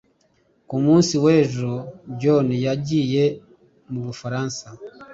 ku munsi w'ejo, john yagiye mu bufaransa